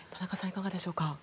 いかがでしょうか？